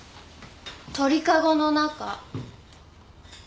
鳥籠の中。